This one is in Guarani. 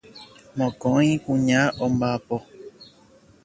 Mokõi kuña omba'apo.